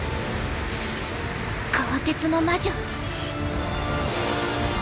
「鋼鉄の魔女」。